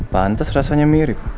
pantes rasanya mirip